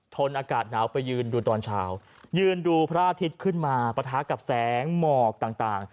นอากาศหนาวไปยืนดูตอนเช้ายืนดูพระอาทิตย์ขึ้นมาปะทะกับแสงหมอกต่าง